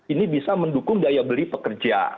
ini bisa mendukung daya beli pekerja